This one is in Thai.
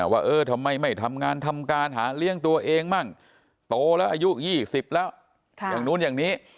ว่าเออทำไมไม่ทำงานทำการหาเลี้ยงตัวเองมั่งโตแล้วอายุ๒๐แล้วอย่างนู้นอย่างนี้